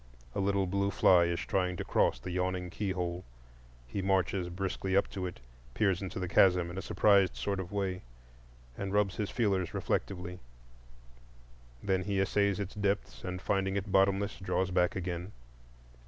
A little blue fly is trying to cross the yawning keyhole. He marches briskly up to it, peers into the chasm in a surprised sort of way, and rubs his feelers reflectively; then he essays its depths, and, finding it bottomless, draws back again.